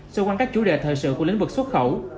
sơ quan các chủ đề thời sự của lĩnh vực xuất khẩu